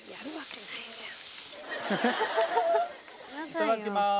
いただきます。